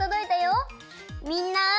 みんな。